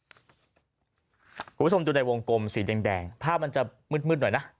คุณผู้ชมดูในวงกลมสีแดงภาพมันจะมืดหน่อยนะ